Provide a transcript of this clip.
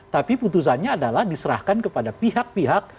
tapi putusannya adalah diserahkan kepada pihak pihak